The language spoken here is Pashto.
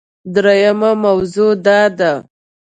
دریمه موضوع دا ده